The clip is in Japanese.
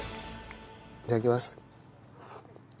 いただきます。